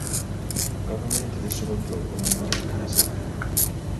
Gavumenti yasobodde okununula ente ezabbibwa.